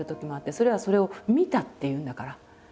それはそれを見たって言うんだから。